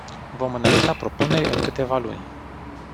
Vom înainta propuneri în câteva luni.